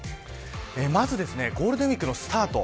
まずゴールデンウイークのスタート